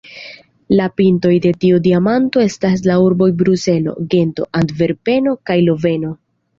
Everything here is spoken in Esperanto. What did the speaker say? La pintoj de tiu diamanto estas la urboj Bruselo, Gento, Antverpeno kaj Loveno.